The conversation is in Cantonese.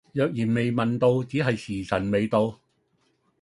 若然未問到，只係時晨未到